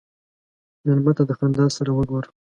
مېلمه ته د خندا سره وګوره.